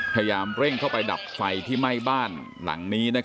พยายามเร่งเข้าไปดับไฟที่ไหม้บ้านหลังนี้